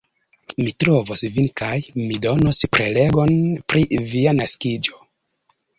Mi trovos vin kaj mi donos prelegon pri via naskiĝo.